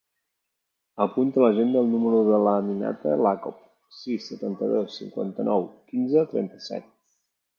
Apunta a l'agenda el número de l'Aminata Iacob: sis, setanta-dos, cinquanta-nou, quinze, trenta-set.